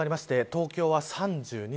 東京は３２度。